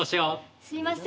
すいません。